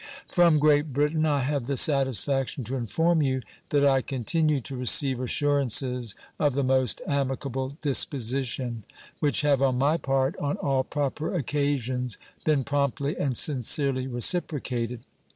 From Great Britain I have the satisfaction to inform you that I continue to receive assurances of the most amicable disposition, which have on my part on all proper occasions been promptly and sincerely reciprocated.